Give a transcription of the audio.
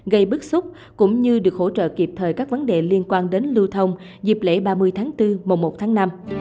gây bức xúc cũng như được hỗ trợ kịp thời các vấn đề liên quan đến lưu thông dịp lễ ba mươi tháng bốn mùa một tháng năm